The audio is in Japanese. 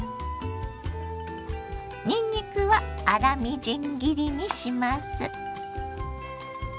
にんにくは粗みじん切りにします。